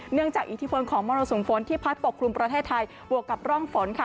จากอิทธิพลของมรสุมฝนที่พัดปกครุมประเทศไทยบวกกับร่องฝนค่ะ